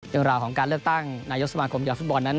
ตัวราวของการเลือกตั้งนายกสมคมจากฟุตบอลนั้น